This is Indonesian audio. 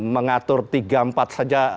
mengatur tiga empat saja